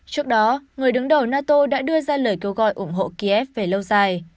trước đó người đứng đầu nato đã đưa ra lời kêu gọi ủng hộ kiev về lâu dài